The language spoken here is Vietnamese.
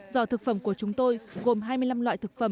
giò thực phẩm của chúng tôi gồm hai mươi năm loại